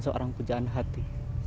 tapi dia memang pujaan hati